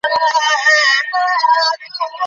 আপনার কী হলো?